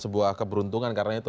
sebuah keberuntungan karena itu